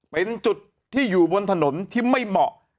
เป็นจุดที่อยู่บนถนนที่ไม่เหมาะ